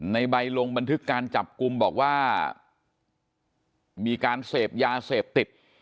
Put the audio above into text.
ในใบลงบันทึกการจับกลุ่มบอกว่ามีการเสพยาเสพติด